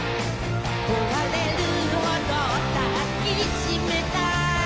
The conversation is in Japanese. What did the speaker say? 「こわれるほど抱きしめた」